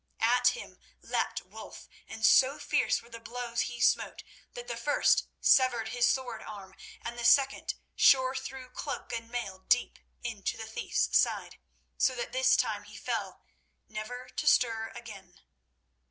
At him leapt Wulf, and so fierce were the blows he smote that the first severed his sword arm and the second shore through cloak and mail deep into the thief's side; so that this time he fell, never to stir again.